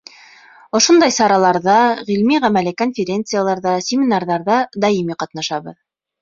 Ошондай сараларҙа, ғилми-ғәмәли конференцияларҙа, семинарҙарҙа даими ҡатнашабыҙ.